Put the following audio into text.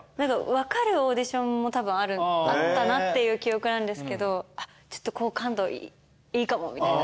分かるオーディションもたぶんあったなって記憶なんですけどちょっと好感度いいかもみたいな。